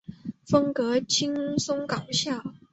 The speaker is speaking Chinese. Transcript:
风格轻松搞笑。